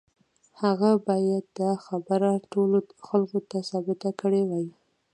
هغه بايد دا خبره ټولو خلکو ته ثابته کړې وای.